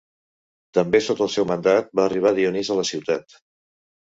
També sota el seu mandat va arribar Dionís a la ciutat.